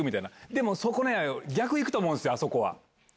でも逆行くと思うんすよあそこは。